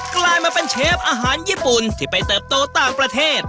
กลายมาเป็นเชฟอาหารญี่ปุ่นที่ไปเติบโตต่างประเทศ